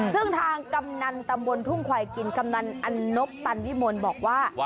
ซึ่งทางกำนันตำบลทุ่งควายกินกำนันอันนบตันวิมลบอกว่า